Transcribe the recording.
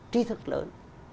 trí thức lớn